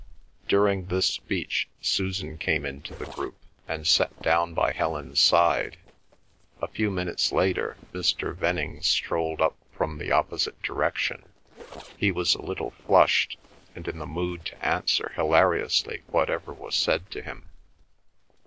During this speech Susan came into the group, and sat down by Helen's side. A few minutes later Mr. Venning strolled up from the opposite direction. He was a little flushed, and in the mood to answer hilariously whatever was said to him.